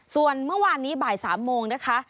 ส่วนเมื่อวานนี้บ่าย๓โมงนะคะ